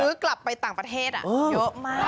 ซื้อกลับไปต่างประเทศักษณฐ์มาก